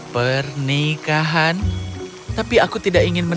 sekarang dengarkan ibu punya kejutan lain untukmu